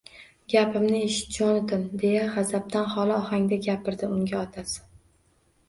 — Gapimni eshit, Jonatan, — deya g‘azabdan xoli ohangda gapirdi unga otasi.